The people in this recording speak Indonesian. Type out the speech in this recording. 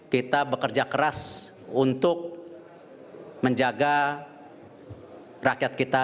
kita bekerja keras untuk menjaga rakyat kita